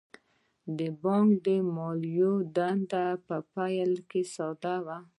د بانکونو د مالکانو دنده په پیل کې ساده وه